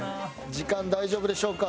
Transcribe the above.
時間大丈夫でしょうか。